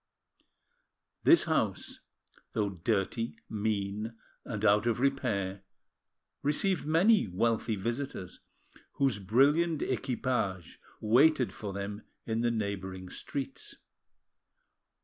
This house, though dirty, mean, and out of repair, received many wealthy visitors, whose brilliant equipages waited for them in the neighbouring streets.